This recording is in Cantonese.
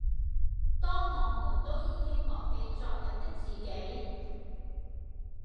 當我們都已經忘記昨日的自己